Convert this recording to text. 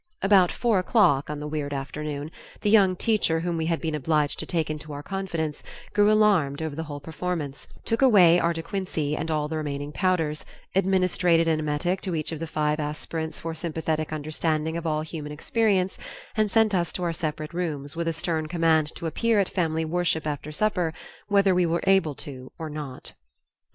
About four o'clock on the weird afternoon, the young teacher whom we had been obliged to take into our confidence, grew alarmed over the whole performance, took away our De Quincey and all the remaining powders, administrated an emetic to each of the five aspirants for sympathetic understanding of all human experience, and sent us to our separate rooms with a stern command to appear at family worship after supper "whether we were able to or not."